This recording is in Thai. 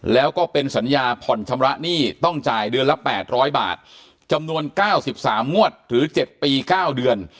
แล้วก็เป็นสัญญาผ่อนชำระหนี้ต้องจ่ายเดือนละ๘๐๐บาทจำนวน๙๓งวดหรือ๗ปี๙เดือน